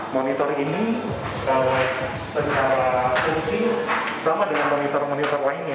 monitor ini secara fungsi sama dengan monitor monitor lainnya